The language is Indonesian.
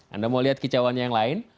anda mau lihat kicauannya yang lain